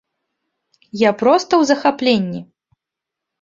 Я проста ў захапленні!